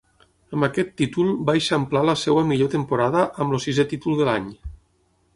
Amb aquest títol va eixamplar la seva millor temporada amb el sisè títol de l'any.